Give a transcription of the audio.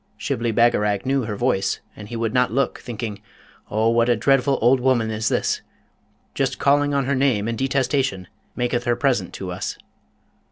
Shibli Bagarag knew her voice, and he would not look, thinking, 'Oh, what a dreadful old woman is this! just calling on her name in detestation maketh her present to us.'